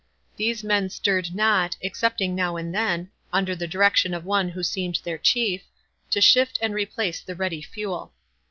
These men stirred not, excepting now and then, under the direction of one who seemed their chief, to shift and replace the ready fuel.